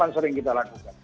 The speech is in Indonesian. yang sering kita lakukan